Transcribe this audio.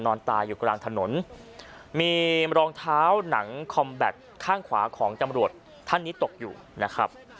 นอนตายอยู่กลางถนนมีรองเท้าหนังคอมแบตข้างขวาของจำรวจท่านนี้ตกอยู่นะครับ